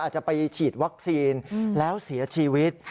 อาจจะไปฉีดวัคซีนแล้วเสียชีวิต